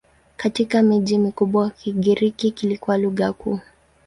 Katika miji mikubwa Kigiriki kilikuwa lugha kuu.